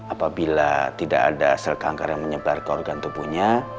apabila tidak ada sel kanker yang menyebar ke organ tubuhnya